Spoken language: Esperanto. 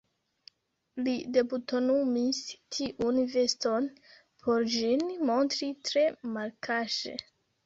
Li debutonumis tiun veston, por ĝin montri tre malkaŝe.